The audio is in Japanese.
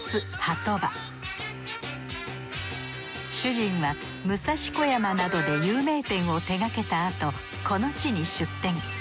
主人は武蔵小山などで有名店を手がけたあとこの地に出店。